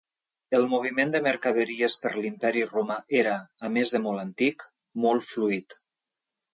El moviment de mercaderies per l'Imperi romà era, a més de molt antic, molt fluid.